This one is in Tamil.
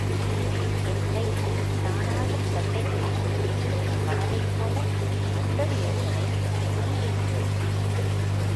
என் கை தானாகச் சட்டைப் பைக்குள்... கனவைப்போல மற்றொரு யோசனை தோன்றிற்று.